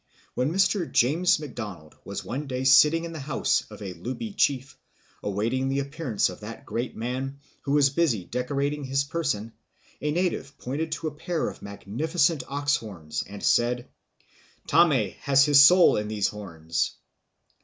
When Mr. James Macdonald was one day sitting in the house of a Hlubi chief, awaiting the appearance of that great man, who was busy decorating his person, a native pointed to a pair of magnificent ox horns, and said, "Ntame has his soul in these horns."